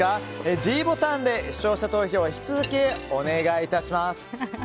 ｄボタンで視聴者投票を引き続きお願い致します。